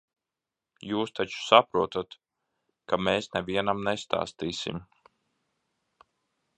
Jūs taču saprotat, ka mēs nevienam nestāstīsim.